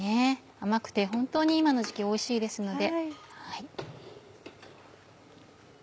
甘くてホントに今の時期おいしいですので。